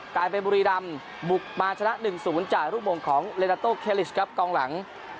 กลายเป็นบุรีรำบุกมาชนะ๑๐จากรูปมงของเลนาโตเคลิชครับกองหลัง